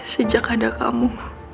sejak ada kamu